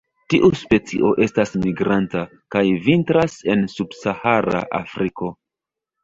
Tiu specio estas migranta, kaj vintras en subsahara Afriko.